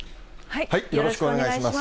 よろしくお願いします。